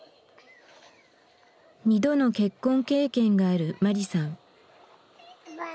２度の結婚経験があるマリさん。